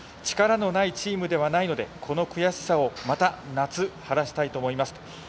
力がないチームではないのでこの悔しさをまた夏、晴らしたいと思います。